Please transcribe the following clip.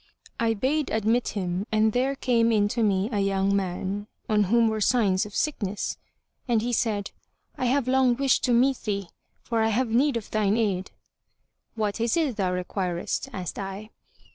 I bade admit him and there came in to me a young man, on whom were signs of sickness, and he said, "I have long wished to meet thee, for I have need of thine aid." "What is it thou requirest?" asked I.